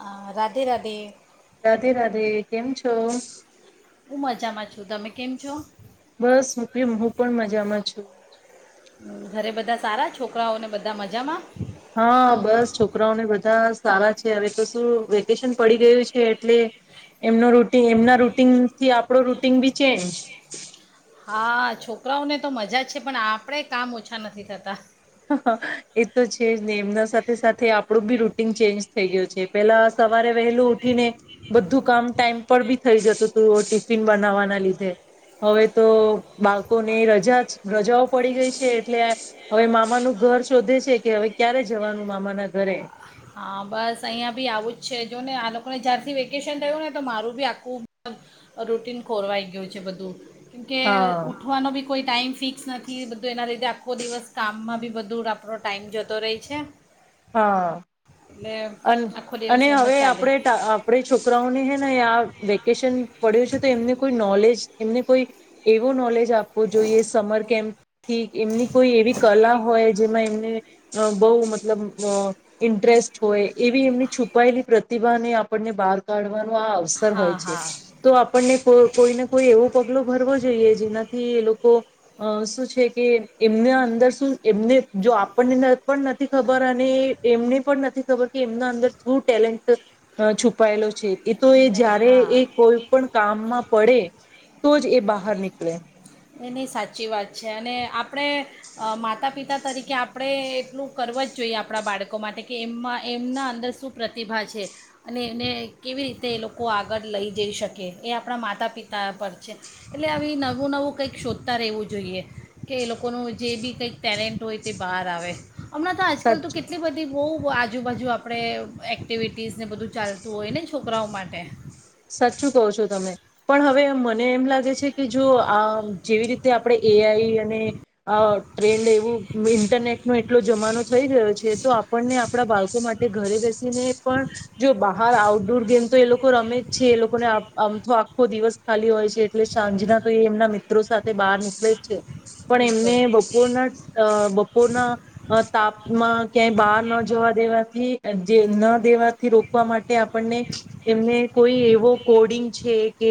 હ રાધે રાધે. રાધે રાધે કેમ છો. હું મજામાં છુ બસ હુભિ હું પણ મજામાં છુ હમ. ઘરે બધા સારા છોકરાઓને બધા મજામાં. હા બસ છોકરાઓને બધા સારા છે હવે તો શું વેકેશન પડી ગયું છે એટલે એમનો રૂટીમ એમના રૂટીન થી આપડો રૂટી ન બી ચેન્જ. હા છોકરાઓને તો મજા છે પણ આપણેે કામ ઓછા નથી થતા. હા હા એ તો છે જ ને એમના સાથે સાથે આપણું બી રૂટીન ચેન્જ થઈ ગયું છે પેલા સવારે વહેલું ઉઠીને બધું કામ ટાઈમ પર બી થઈ જતું હતું ટિફિન બનાવવાના લીધે હવે તો બાળકોને રજા રજાઓ પડી ગઈ છે એટલે હવે મામ મામા નુ ઘર શોધે છે કે હવે ક્યારે જવાનું મામા ના ઘરે. હા બસ અહિયાયા બી આવું જ છે જો ને આ લોકોને જ્યારથી વેકેશન થયું ને તો મારું બી આખું રૂટીન ખોરવાઈ ગયું છે બધું. કે, હા ઉઠવાનો બી... કોઈ ટાઈમ ફી ફિક્સ નથી બધો એના લીધે નથી, આખો દિવસ કામમાં બી... બધુ આપણો ટાઈમ જતો રહે છે. હા. એટલે અન આખો અને દિવસ એમ જ હવે ચાલે આપણે આપણે છોકરાઓને, હે ને, યા વેકેશન પડ્યું છે, તો એમને કોઈ નોલેજ... એમને કોઈ એવો નોલેજ... આપવું જોઈએ. સમર કેમ્પથી, એમની કોઈ એવી કલા હોય, જેમાં એમને... હમ્મ બો મતલબ અ ઇન્ટરેસ્ટ... હોય, એવી એમની છુપાયેલી પ્રતિભાને, આપણને બહાર કાઢવા આ અવસર હોય હા છે, હા તો આપણને કોઈને કોઈ એવો પગલો ભરવો જોઈએ, જેનાથી એ લોકો અ શું છે કે એમના અંદર શું, એમને જો આપણને પણ નથી ખબર, અને એમને પણ નથી ખબર કે એમના અંદર શું ટેલેન્ટ છુપાયેલો છે એ તો એ ને જયારે હા એ કોઈ પણ કામમાં પડે, તો જ એ બહાર નીકળે [unintelligible] [inaudible] એની સાચી વાત છે, અને આપણે માતા-પિતા તરીકે, આપણે એટલું કરવું જ જોઈએ આપણા બાળકો માટે કે એમમાં એમના અંદર શું પ્રતિભા છે, અને એને કેવી રીતે એ લોકો આગળ લઈ જઈ શકે, એ આપણા માતા-પિતા પર છે એટલે આવી નવું-નવું કંઈક શોધતા રહેવું જોઈએ, કે એ લોકોનું જે બી કંઈક ટેલેન્ટ હોય, તે બહાર આવે હમણાં તો, આજકાલ તો, સાચું કેટલી બધી બો આજુબાજુ, આપણે એક્ટિવિટીઝ ને બધું ચાલતું હોય ને છોકરાઓ માટે સાચું કહો છો તમે, પણ હવે મને એમ લાગે છે કે જો આ જેવી રીતે આપણે એઆઈ અને આ ટ્રેન્ડ, એવું ઇન્ટરનેટનો એટલો જમાનો થઈ ગયો છે, તો આપણને આપણા બાળકો માટે ઘરે બેસીને પણ, જો બહાર આઉટડોર ગેમ તો એ લોકો રમે છે, એ લોકોને આમ તો આખો દિવસ ખાલી હોય છે, એટલે સાંજના તો એ એમના મિત્રો સાથે બહાર નીકળે છે પણ એમને બિલકુલ બપોરના અ, બપોરના અ તાપમાં ક્યાંય બહાર ન જવા દેવાથી, જે ન દેવાથી રોકવા માટે, આપણને એમને કોઈ એવો કોડિંગ છે, કે,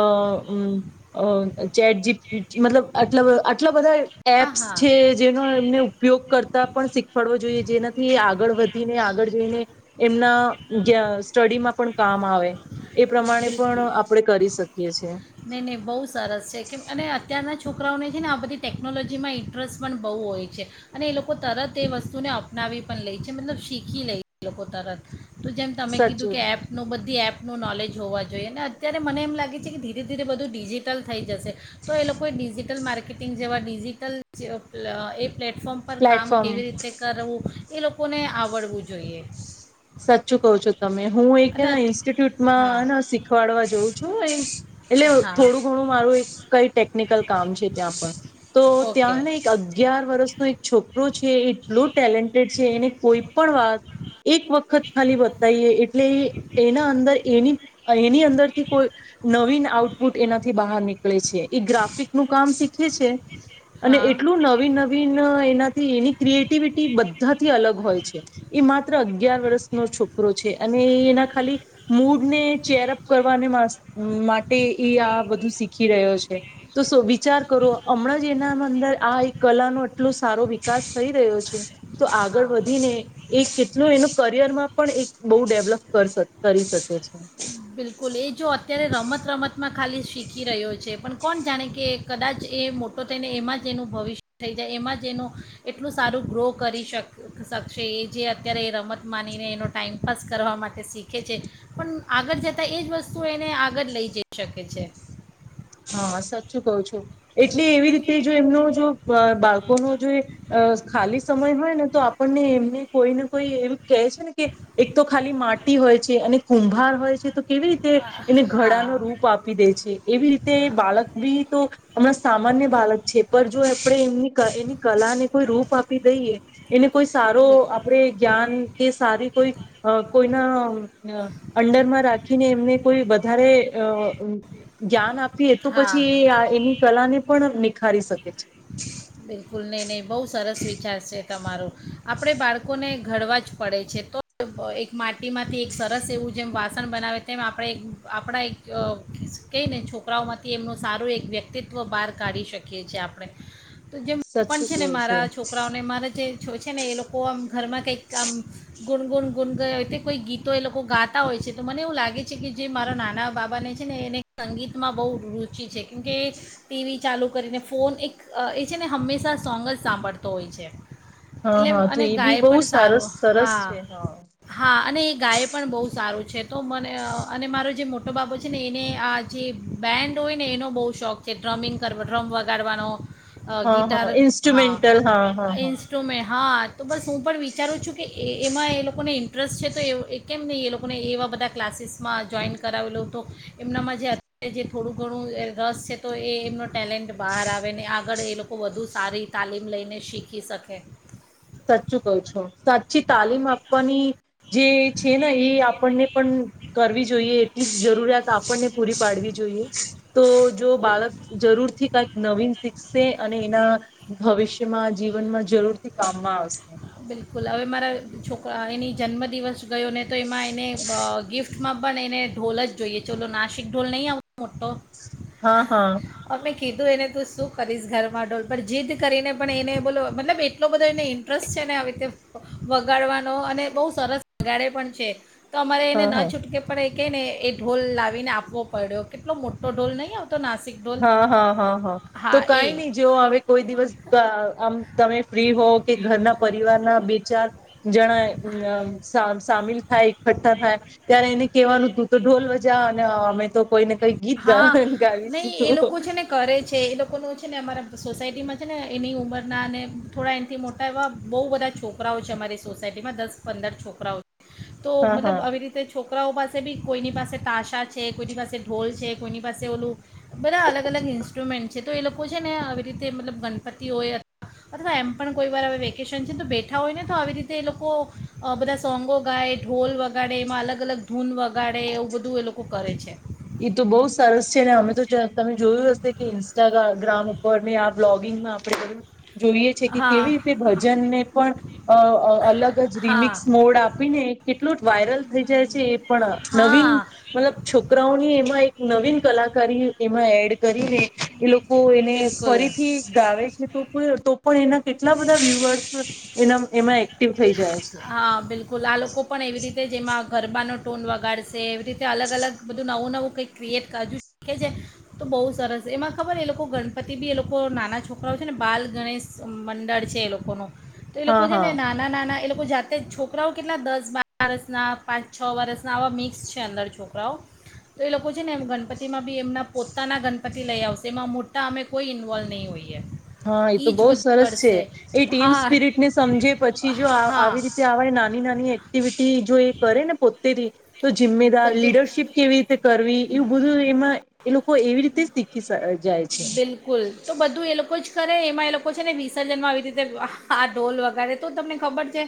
અ, ચેટ, મતલબ, આટલા-આટલા બધા હા એપ્સ હા છે, જેનો એમને ઉપયોગ કરતા પણ શીખવાડવો જોઈએ, જેનાથી એ આગળ વધીને, આગળ જઈને, એમના જ્યાં સ્ટડીમાં પણ કામ આવે એ પ્રમાણે પણ બિલકુલ આપણેે કરી શકીએ છે નહીં, નહીં, બહુ સરસ છે, કેમ કે અત્યારના છોકરાઓને છે ને, આ બધી ટેકનોલોજીમાં ઇન્ટરેસ્ટ પણ બહુ હોય છે, અને એ લોકો તરત એ વસ્તુને અપનાવી પણ લે છે, મતલબ, શીખી લે એ લોકો તરત તો જેમ તમે કીધું સાચું કે એપનો, બધી એપ નું નોલેજ હોવા જોઈએ, અને અત્યારે મને એમ લાગે છે કે ધીરે-ધીરે બધું ડિજિટલ થઈ જશે, તો એ લોકોએ ડિજિટલ માર્કેટિંગ જેવા ડિજિટલ અ પ્લેટફોર્મ પર કામ પ્લેટફોર્મ કેવી રીતે કરવું એ લોકોને આવડવું જોઈએ સાચું કહો છો તમે. હું એક અને હા ઇન્સ્ટિટ્યુટમાં શીખવાડવા જઉં છું એટલે હા થોડું ઘણું મારું એક કંઈ ટેકનિકલ કામ છે ત્યાં પણ, તો ઓકે ત્યાં એક અગિયાર વર્ષનો એક છોકરો છે, એટલો ટેલેન્ટેડ છે, એને કોઈ પણ વાત એક વખત વખત ખાલી બતાવીએ, એટલે એના અંદર એવી એની અંદરથી કોઈ નવીન આઉટપુટ એનાથી બહાર નીકળે છે એ ગ્રાફિક નું કામ શીખે છે અને હા એટલું નવી નવીન એનાથી એની ક્રિએટિવિટી બધાથી અલગ હોય છે એ માત્ર અગીયાર વર્ષ નો છોકરો છે અને એના ખાલી મૂડને ચેરઅપ કરવાને માટે એ આ બધું શીખી રહ્યો છે તો વિચાર કરો હમણાં જ એના અંદર આ એક કલાનો એટલો સારો વિકાસ થઈ રહ્યો છે તો આગળ હા વધીને એ કેટલું એનું કરિયરમાં પણ એક બહુ ડેવલપ કરી શકે છે બિલકુલ એ જો અત્યારે રમત રમત માં ખાલી શીખી રહ્યો છે પણ કોણ જાણે કે કદાચ એ મોટો થઈને એમાં જ એનું ભવિષ્ય થઈ જાય એમાં જ એનું એટલું સારું ગ્રો કરી શક શકશે એ જે અત્યારે એ રમત માનીને એનો ટાઈમપાસ કરવા માટે શીખે છે પણ આગળ જતા એ જ વસ્તુ એને આગળ લઈ જઈ શકે છે હા, સાચું કહું છું એટલે એવી રીતે જો એમનો જો બાળકોનો જો ખાલી સમય હોય ને તો આપણને એમને કોઈ ને કોઈ એમ કહે છે ને કે, એક તો ખાલી મા ટી હોય છે અને કુંભાર હોય છે તો કેવી રીતે એને હા ઘડાનો રૂપ આપી દે છે, એવી રી બાલક બી તો હમણાં સામાન્ય બાલક છે, પણ જો આપણે એમની ક એની કલાને કોઈ રૂપ આપી દઈએ એને કોઈ સારો બિલ- આપણે, જ્ઞાન કે સારી કોઈ, કોઈના અંડરમાં રાખીને એમને કોઈ વધારે, અ જ્ઞાન આપ આપીએ તો હા પછી હા એ એની કલાને પણ નિખારી શકે છે. બિલકુલ નહીં. નહીં, બહુ સરસ વિચાર છે. તમારો. આપણે બાળકોને ઘડવા જ પડે છે. તો એક માટીમાંથી એક સરસ એવું જેમ વાસણ બનાવે તેમ આપણે આપણા એક કહી ને છોકરાઓમાંથી એમનું સારું એક વ્યક્તિત્વ બહાર કાઢી શકીએ છે, આપણે. તો જેમ, પણ સાચું છે કહો ને છો. મારા છોકરાઓને મારા જે છો છે ને એ લોકો આમ ઘરમાં કંઈક આમ ગુણગુન ગુન કરે, તે કોઈ ગીતો એ લોકો ગાતા હોય છે. તો મને એવું લાગે છે કે, જે મારા નાના બાબાને છે ને એને સંગીતમાં બહુ રુચિ છે, કેમકે ટી વી ચાલુ કરીને ફોન એક એ છે ને હંમેશા સોંગ જ સાંભળતો હોય છે. હા એટલે, હા તો અને એ બી ગાય બહુ પણ સારો. સરસ સરસ છે હા, હા. અને એ ગાય પણ બહુ સારું છે. છે તો મને, અને મારો જે મોટો બાબો છે ને, એને આ જે બેન્ડ હોય ને એનો બહુ શોખ છે. ડ્રમિંગ કર ડ્રમ વગાડવાનો અ હા હા ગિટાર, હા ઇન્સ્ટ્રુમેન્ટલ હા હા હા ઇન્સ્ટ્રુમેન્ટ, હા. તો બસ હું પણ વિ વિચારું છું કે એ એમાં એ લોકોને ઇન્ટરેસ્ટ છે તો એ કેમ નહીં એ લોકોને એવા બધા ક્લાસીસમાં જોઈન કરાવેલો તો, એમનામાં જે અત્યારે જે થોડું ઘણું રસ છે તો એ એમનો ટેલેન્ટ બહાર આવે ને આ આગળ એ લોકો વધુ સારી તાલીમ લઈને શીખી શકે. સાચું કહું છું સાચી તાલીમ આપવાની જે. છે ને એ આપણને પણ કરવી જોઈએ એટલી જરૂરિયાત આપણને પૂરી પાડવી જોઈએ. તો જો બિલકુલ બાળક જરૂરથી કંઈક નવીન શીખશે અને એના ભવિષ્ય. જીવન માં જરૂર. કામમા આવશે. બોલો મારા છોકરા એની જન્મદિવસ. ગયો ને તો એમાં એને ગિફ્ માં પણ એને ઢોલ જ જોઈએ ચાલો નાસિક ઢોલ નહીં આવવો [unintelligible] હા હા. કીધું એને તું શું કરીશ ઘરમાં ડોલ પણ જીદ કરીને પણ એને બોલો મતલબ એટલો બધો એને ઇન્ટસ્ટ. સરસ છે ને આવી રીતે વગાડવાનો અને બઉ સરસ વગાડે પણ છે. તો અમારે એને હા ના હા છૂટકે પડે કેને એ ઢોલ લાવીને આપવો પડ્યો કેટલો મોટો ઢોલ નહીં આવતો. નાસિક ઢોલ હા હા હા હા તો કઈ નહી જેવ હવે કોઈ દિવસ આમ તમે ફ્રી હો કે ઘરના. પરિવાર ના બે ચાર. જણા સા સામેલ. થાય એકઠા થાય ત્યારે એને કેવાનું તું તો ઢોલ વજા અને અમે તો કોઈને. કઈ ગીત ગા હા, ગાવીશું. નહીં એ લોકો છે ને કરે છે એ લોકોનું છે ને અમારા. સોસાયટીમાં છે ને એની ઉંમરના અને થોડા એનાથી મોટા એવા બહુ બધા છોકરાઓ છે અમારી સોસાયટીમાં દસ પંદર છોકરાઓ છે. તો હા હા મતલબ આવી રીતે છોક છોકરાઓ પાસે ભી કોઈની પાસે તાશા છે, કોઈની પાસે ઢોલ છે છે કોઈની પાસે ઓલું. બરા અલગ અલગ ઇન્સ્ટ્રુમેન્ટ છે. તો એ લોકો છે ને આવી રીતે મતલબ ગણપતિ હોય અથ અથવા એમ પણ કોઈ વાર હવે વેકેશન છે ને તો, બેઠા હોય ને તો આવી રીતે એ લોકો બધા સોંગો ગાય, ઢોલ વગાડે એમાં અલગ અલગ ધૂન વગાડે એવું બધું એ લોકો કરે છે. એ તો બહુ સરસ છે ને અમે તો તમે જોયું હશે કે ઇન્સ્ટાગ્રામ ઉપર ને આ બ્લોગિંગમાં આપણે. જોઈએ છે કે કેવી હા. રીતે ભજનને પણ અલગ જ હા રીમિક્સ મોડ આપીને કે એલુંટ વાયરલ થઈ જાય છે એ. પણ નવીન હા મતલબ છોક એમાં એક નવીન કલાકાર એમાં એડ કરીને. એ લોકો એને બિલકુલ ફરીથી ગાવે છે તો. તો પણ એના કેટલા બધા વ્યુઅર્સ એના એમાં એક્ટિવ. થઈ જાય છે. હા બિલકુલ આ લોકો પણ એવી રીતે કે જેમાં ગરબાનો ટોન વગાડશે રીતે અલગ અલગ બધું નવું નવું તો કંઈક ક્રિએટ કરજું શકે છે તો બહુ સરસ એમાં ખબર એ લોકો ગણપતિ બી એ લોકો નાના છોકરાઓ છે ને બાલ ગણેશ મંડળ છે એ લોકોનું તો એ લોકો હા છે હા ને નાના, નાના એ લોકો જાતે છોકરાઓ કેટલા દસ બાર વર્ષના, પાંચ છ વર્ષના, આવા મિક્સ છે, અંદર છોકરાઓ તો એ લોકો છે ને એમ ગણપતિમાં બી એમના પોતાના ગણપતિ લઈ આવશે એમાં મોટા અમે કોઈ ઇન્વોલ્વ નહીં હોય હા એ તો બહુ સરસ છે, એ ટીમ હા સ્પિરિટને સમજે પછી જો આવી હા રીતે આવા નાની નાની એક્ટિવિટી જો એ કરે ને પો તેરી તો જિમ્મેદાર બધું લીડરશીપ કેવી રીતે કરવી એવું બધું એમાં એ લોકો એવી રીતે શીખી જાય છે બિલકુલ તો બધું એ લોકો જ કરે એમાં એ લોકો છે ને વિસર્જનમાં આવી રીતે આ ઢોલ વગારે તો તમને ખબર છે,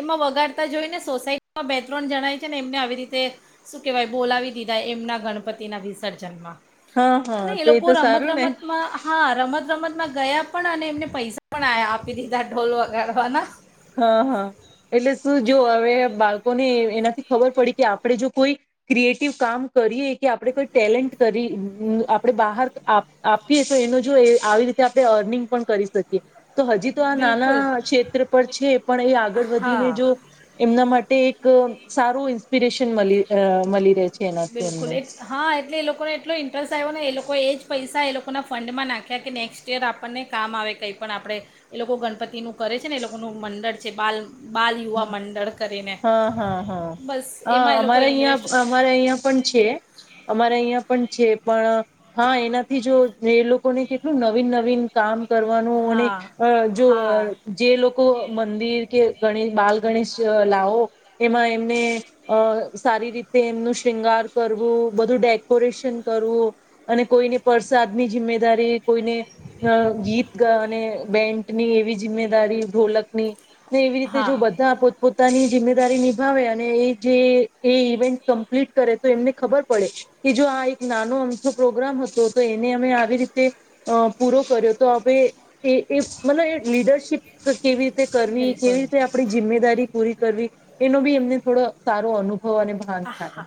એમાં વગાડતા જોઈ ને સોસાયટીમાં બે ત્રણ જણાય છે ને એમને આવી રીતે શું કેહેવાય બોલાવી દીધા એમના ગણપતિના વિસર્જનમાં હા હા અને એ તો લોકો તો રમત સારું ને રમતમાં, હા રમત રમત માં ગયા પણ અને એમને પૈસા પણ આપી દીધા ઢોલ વગાડવાના હા, હા, એટલે શું જો હવે બાળકોને એનાથી ખબર પડી કે આપણે જો કોઈ ક્રિએટિવ કામ કરીએ કે આપણે કોઈ ટેલેન્ટ કરી આપણે બહાર આપીએ તો એનો જો આવી રીતે આપણે અર્નિંગ પણ કરી શકીએ તો હજી તો આ બિલકુલ નાના ક્ષેત્ર છે પણ એ આગળ વધીને હા જો એમના. માટે એક સારું ઇન્સ્પિરેશન મળી રહે. છે એનાથી બિલકુલ એમને એ હા એટલે એ લોકોને એટલો ઇન્ટરેસ્ટ આવ્યો ને એ લોકો એ જ પૈસા એ લોકો. લોકોના ફંડમાં નાખ્યા કે નેક્સ્ટ યર આપણને કામ આવે કંઈ પણ આપણે એ લોકો ગણપતિનું કરે છે ને એ લોકોનું મંડળ છે બાલ. બાલ યુવા મંડળ કરીને હા હા હા બસ હ એમાં એ લોકો અમારે ઇન્વેસ્ટ અહિયાં અમારે અહિયાં. છે અમારે અહિયાં પણ છે પણ હા એનાથી જો એ લોકોને કેટલું નવીન નવીન કામ. કરવાનું અને હા અ જો હા જે લોકો મંદિર કે. ગ બાલ ગણેશ લાવો એમાં એમને અ સારી રીતે એમનું શૃંગાર કરવું, બધું ડેકોરેશન કરવું અને કોઈને પરસાદની જિમ્દારી, કોઈને ગીત અને બેન્ટની એવી જિમ્દારી, ઢોલક નીને એવી. હા જો બધા પોતપોત પોતાની જિમ્મેદારી નિભાવે અને એ જે એ ઇવેન્ટ કમ્પ્લીટ કરે તો એમને ખબર પડે કે જો આ એક નાનો આમથો પ્રોગ્રામ હતો તો એને અમે આવી રીતે પૂરો કર્યો તો હવે મતલબ એ લીડરશીપ. કેવી રીતે કરવી બિલકુલ કેવી ર જિમ્મેદારી પૂરી કરવી એનો બી એમને થોડો સારો અનુભવ. અને ભાન થાય હા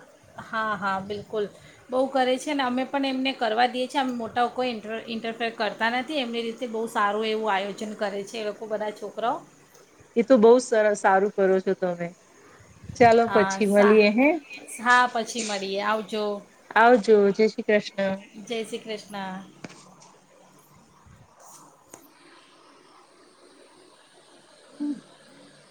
હા હા બિલકુલ બહુ કરે છે. છે ને અમે પણ એમને કરવા દઈએ છીએ, અમે મોટા કોઈ ર ઇન્ટરફેર કરતા નથી એમની રીતે બહુ સારું એવું આયોજન કરે છે એ લોકો બધા છોકરાઓ. એ તો બહુ સારું કરો છો તમે. ચાલો પછી હા મળીએ હે હા પછી મળીએ આવજો આવજો જય શ્રી કૃષ્ણ જય શ્રી કૃષ્ણ. હમ્મ.